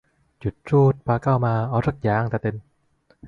ชุดสูท ผ้าขาวม้า เอาซักอย่าง